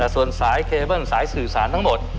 ส่วนสายเคเบิ้ลสายสื่อสารทั้งหมด